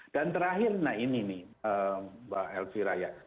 dan terakhir nah ini nih mbak elvi raya